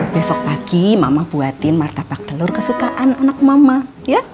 besok pagi mama buatin martabak telur kesukaan anak mama ya